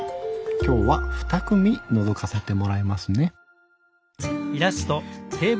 今日はふた組のぞかせてもらいますね。